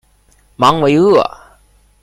芒维厄。